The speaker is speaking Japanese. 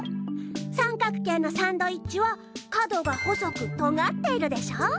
さんかく形のサンドイッチは角がほそくとがっているでしょ。